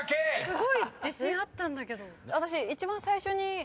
すごい自信あったんだけど。